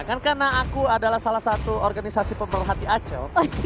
kan karena aku adalah salah satu organisasi pemerhatian acel